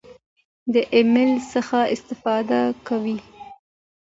د ایمیل څخه استفاده کوئ؟